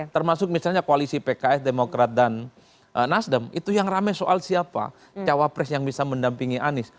termasuk misalnya koalisi pks demokrat dan nasdem itu yang ramai soal siapa cawapres yang bisa mendampingi anies